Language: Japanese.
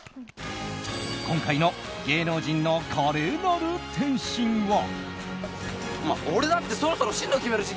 今回の芸能人の華麗なる転身は。